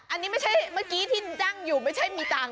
อันนี้ไม่ใช่เมื่อกี้ที่จ้างอยู่ไม่ใช่มีตังค์